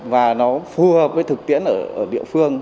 và nó phù hợp với thực tiễn ở địa phương